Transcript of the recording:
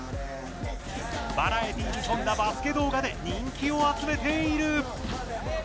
バラエティーに富んだバスケ動画で人気を集めている。